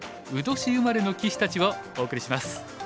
卯年生まれの棋士たち」をお送りします。